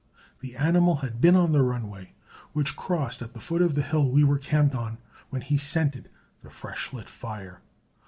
The animal had been on the runway which crossed at the foot of the hill we were camped on when he scented the fresh lit fire.